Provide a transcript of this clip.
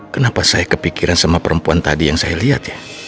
kenapa saya kepikiran sama perempuan tadi yang saya lihat ya